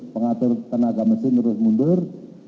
pengatur tenaga mesin terus mundur